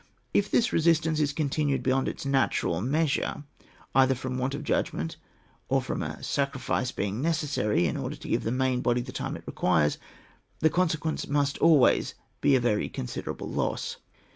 If this resistance is continued beyond its natural measure, either from want of judg ment or from a sacrifice being necessary in order to g^ve the main body the time it requires, the consequence must always be a very considerable loss.